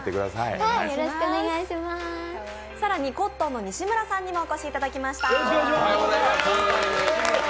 更にコットンの西村さんにもお越しいただきました。